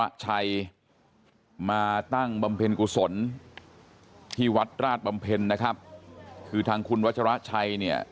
พระชัยมาตั้งบำเพ็ญกุศลที่วัดราชบำเพ็ญนะครับคือทางคุณวัชราชัยเนี่ย